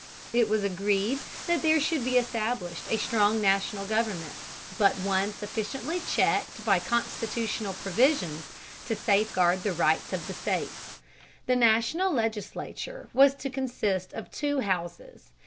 It was agreed that there should be established a strong national government, but one sufficiently checked by constitutional provisions to safeguard the rights of the states. The national legislature was to consist of two houses.